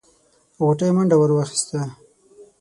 غوټۍ منډه ور واخيسته.